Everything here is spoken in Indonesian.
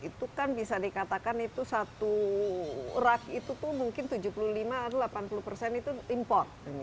itu kan bisa dikatakan itu satu rak itu tuh mungkin tujuh puluh lima atau delapan puluh persen itu import